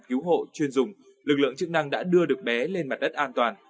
cứu hộ chuyên dùng lực lượng chức năng đã đưa được bé lên mặt đất an toàn